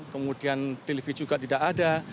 kemudian tv juga tidak ada